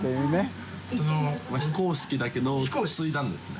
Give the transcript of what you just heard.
淵好織奪奸非公式だけど継いだんですね。